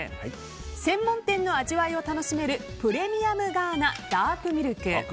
専門店の味わいを楽しめるプレミアムガーナダークミルク。